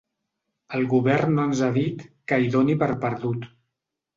El govern no ens ha dit que hi doni per perdut.